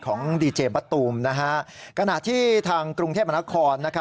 ขอบคุณทุกกำลังกายที่ส่งมา